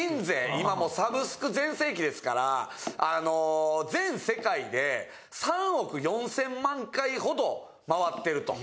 今もうサブスク全盛期ですからあの全世界で３億４千万回ほどまわってると。